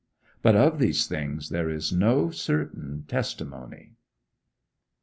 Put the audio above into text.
But of these things there is no certain testimony.